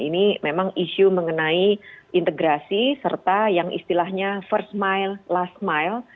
ini memang isu mengenai integrasi serta yang istilahnya first mile last mile